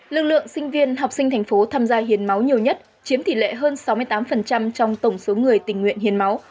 lực lượng sinh viên học sinh thành phố tham gia hiến máu nhiều nhất chiếm tỷ lệ hơn sáu mươi tám trong tổng số người tình nguyện hiến máu